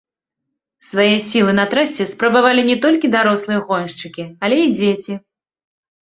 Свае сілы на трасе спрабавалі не толькі дарослыя гоншчыкі, але і дзеці.